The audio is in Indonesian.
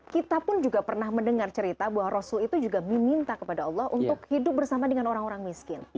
kita pun juga pernah mendengar cerita bahwa rasul itu juga meminta kepada allah untuk hidup bersama dengan orang orang miskin